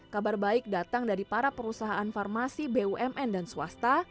kabar baik datang dari para perusahaan farmasi bumn dan swasta